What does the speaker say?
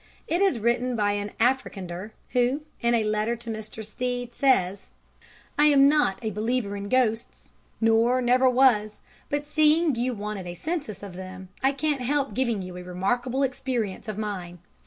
It is written by an Afrikander who, in a letter to Mr. Stead, says: "I am not a believer in ghosts, nor never was; but seeing you wanted a census of them, I can't help giving you a remarkable experience of mine.